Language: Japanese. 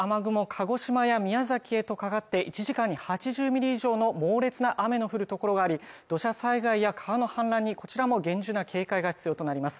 鹿児島や宮崎へと変わって１時間に８０ミリ以上の猛烈な雨の降るところがあり、土砂災害や川の氾濫にこちらも厳重な警戒が必要となります。